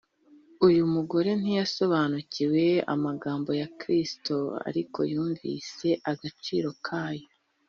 Uyu mugore ntiyasobanukiwe n’amagambo ya Kristo, ariko yumvise agaciro kayo.